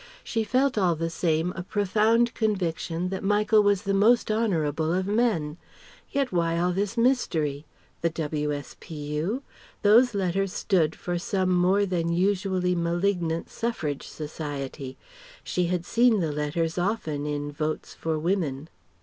She felt all the same a profound conviction that Michael was the most honourable of men. Yet why all this mystery? The W.S.P.U.? Those letters stood for some more than usually malignant Suffrage Society. She had seen the letters often in "Votes for Women."...